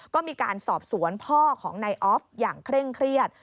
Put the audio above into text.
ก็มีการสอบสวนพ่อของนายออฟอย่างเคร่งเครียด